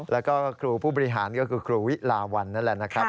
แล้วก็ครูผู้บริหารก็คือครูวิลาวันนั่นแหละนะครับ